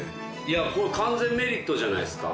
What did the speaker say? これ完全メリットじゃないですか？